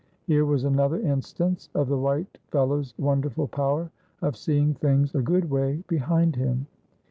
Here was another instance of the white fellow's wonderful power of seeing things a good way behind him.